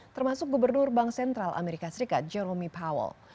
termasuk gubernur bank sentral amerika serikat jeromey powell